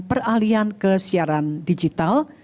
peralian ke siaran digital